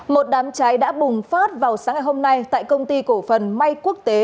một đám cháy đã bùng phát vào sáng ngày hôm nay tại công ty cổ phần may quốc tế